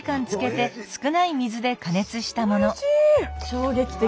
衝撃的。